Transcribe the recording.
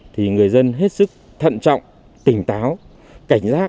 thì người dân hết sức thận trọng tỉnh táo cảnh giác